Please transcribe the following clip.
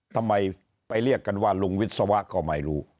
ทำไมไปเรียกกันว่าลุงวิศวะก็ไม่รู้